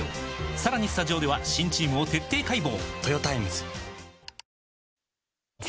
さらにスタジオでは新チームを徹底解剖！